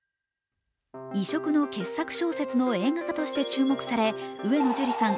異色の傑作小説の映画化として注目され、上野樹里さん